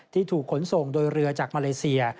ที่ถูกขนส่งโดยเรือจากมาเลเซีย